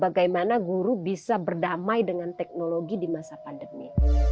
bagaimana guru bisa berdamai dengan teknologi di masa pandemi